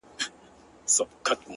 نو دغه نوري شپې بيا څه وكړمه ـ